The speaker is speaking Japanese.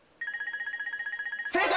正解！